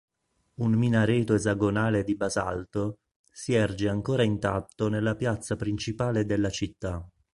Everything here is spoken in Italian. Un minareto esagonale di basalto si erge ancora intatto nella piazza principale della città.